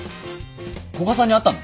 古賀さんに会ったの？